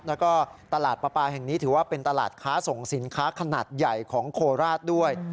แล้วก็ตลาดปลาปลาแห่งนี้ถือว่าเป็นตลาดค้าส่งสินค้าขนาดใหญ่ของโคราชด้วย